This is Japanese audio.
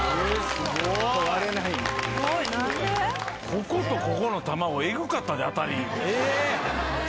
こことここの卵えぐかったで当たり。